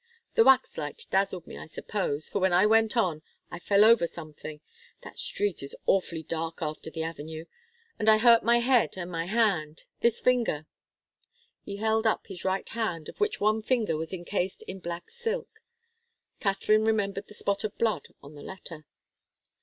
The waxlight dazzled me, I suppose, for when I went on I fell over something that street is awfully dark after the avenue and I hurt my head and my hand. This finger " He held up his right hand of which one finger was encased in black silk. Katharine remembered the spot of blood on the letter.